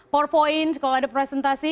powerpoint kalau ada presentasi